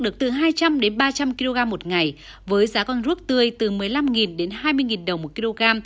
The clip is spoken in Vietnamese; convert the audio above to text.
được từ hai trăm linh ba trăm linh kg một ngày với giá con rút tươi từ một mươi năm hai mươi đồng một kg